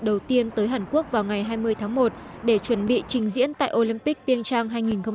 đầu tiên tới hàn quốc vào ngày hai mươi tháng một để chuẩn bị trình diễn tại olympic pyeongchang hai nghìn một mươi tám